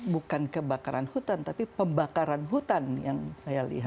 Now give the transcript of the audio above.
bukan kebakaran hutan tapi pembakaran hutan yang saya lihat